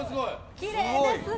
きれいですね。